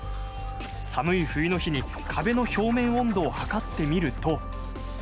寒い冬の日に壁の表面温度を測ってみると。